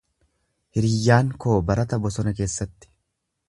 Hiriyyaan koo barata bosona keessatti.